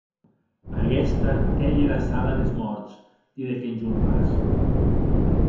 Aguesta qu’ei era sala des mòrts, didec Enjolras.